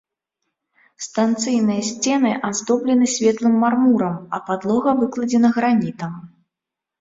Станцыйныя сцены аздоблены светлым мармурам, а падлога выкладзена гранітам.